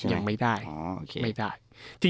ยังไม่ได้